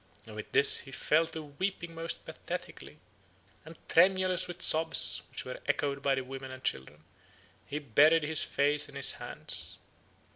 And with this he fell to weeping most pathetically, and, tremulous with sobs, which were echoed by the women and children, he buried his face in his hands.